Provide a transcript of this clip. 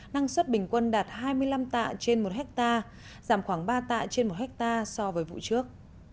năng suất bình quân đạt hai mươi năm tạ trên một hectare giảm khoảng ba tạ trên một hectare so với vụ trước